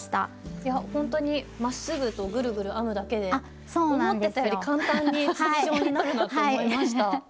いやほんとにまっすぐとぐるぐる編むだけで思ってたより簡単に筒状になるなと思いました。